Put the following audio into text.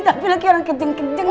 tapi lagi orang kejeng kejeng